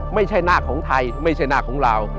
ไม่ใช่นาคของไทยไม่ใช่นาคของลาว